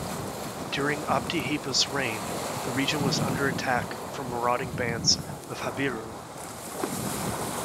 During Abdi-Heba's reign the region was under attack from marauding bands of Habiru.